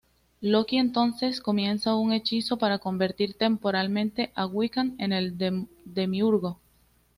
Loki entonces comienza un hechizo para convertir temporalmente a Wiccan en el Demiurgo.